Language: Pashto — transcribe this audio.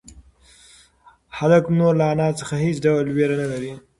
هلک نور له انا څخه هېڅ ډول وېره نه لري.